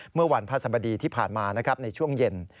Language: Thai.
เมื่อวันพระสบดีที่ผ่านมานะครับในช่วงเย็น